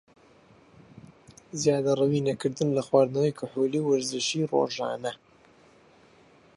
زیادەڕەوی نەکردن لە خواردنەوەی کحولی و وەرزشی رۆژانە